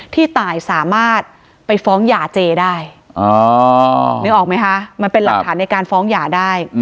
ที่ตายสามารถไปฟ้องหย่าเจได้นึกออกไหมคะมันเป็นหลักฐานในการฟ้องหย่าได้